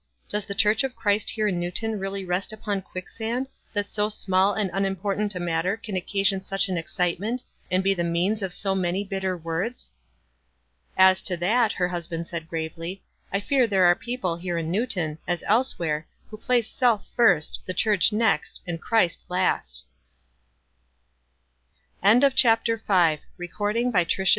Does the church of Christ here in Newton really rest upon quick sand, that so small and unimportant a matter can occasion such an excitement, and be the means of so many bitter words?" "As to that," her husband said gravely, "I fear there are people here in Newton, as else where, who place self first, the church next, and C